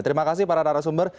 terima kasih para narasumber